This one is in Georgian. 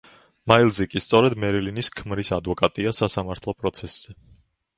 მაილზი კი სწორედ მერილინის ქმრის ადვოკატია სასამართლო პროცესზე.